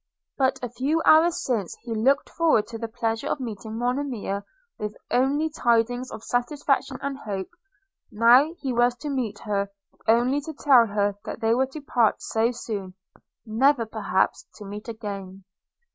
But a few hours since he looked forward to the pleasure of meeting Monimia with only tidings of satisfaction and hope; now, he was to meet her, only to tell her that they were to part so soon, never perhaps to meet again!